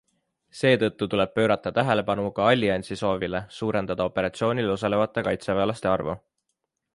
Seetõttu tuleb pöörata tähelepanu ka alliansi soovile suurendada operatsioonil osalevate kaitseväelaste arvu.